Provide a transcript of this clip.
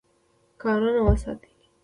کانونه وساتئ.